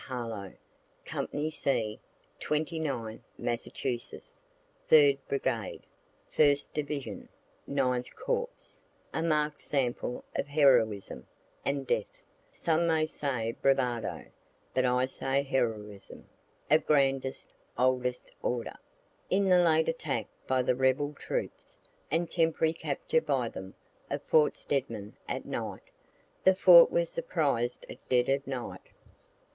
Harlowe, company C, 29th Massachusetts, 3d brigade, 1st division, Ninth corps a mark'd sample of heroism and death, (some may say bravado, but I say heroism, of grandest, oldest order) in the late attack by the rebel troops, and temporary capture by them, of fort Steadman, at night. The fort was surprised at dead of night.